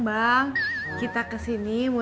bang kita kesini mau